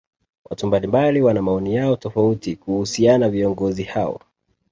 watu mbalimbali wana maoni yao tofauti kuhusiana viongozi hao